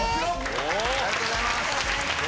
ありがとうございます。